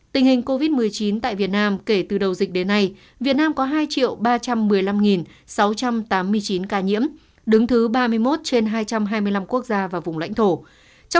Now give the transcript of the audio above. tình hình covid một mươi chín tại việt nam kể từ đầu dịch đến nay việt nam có hai ba trăm một mươi năm sáu trăm tám mươi chín ca nhiễm đứng thứ ba mươi một trên hai trăm hai mươi năm quốc gia và vùng lãnh thổ